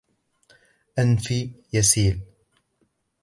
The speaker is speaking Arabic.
أنفي يسيل.